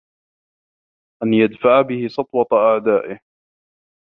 أَنْ يَدْفَعَ بِهِ سَطْوَةَ أَعْدَائِهِ